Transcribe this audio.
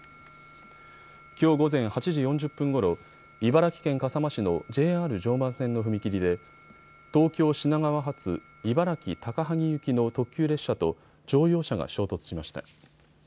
きょう午前８時４０分ごろ茨城県笠間市のＪＲ常磐線の踏切で東京・品川発茨城・高萩行き行きの特急列車と乗用車が衝突しました。